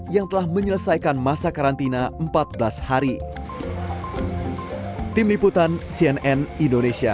yang telah menyelesaikan masa karantina empat belas hari